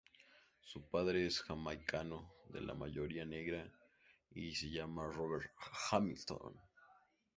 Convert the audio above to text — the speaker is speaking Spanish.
Su padre es jamaicano, de la mayoría negra, y se llama Robert Hamilton.